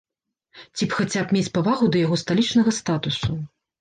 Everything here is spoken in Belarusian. Ці хаця б мець павагу да яго сталічнага статусу.